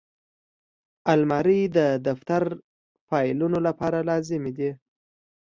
الماري د دفتر فایلونو لپاره لازمي ده